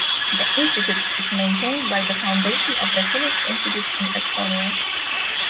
The institute is maintained by the "Foundation of the Finnish Institute in Estonia".